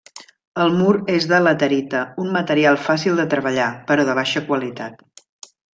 El mur és de laterita, un material fàcil de treballar, però de baixa qualitat.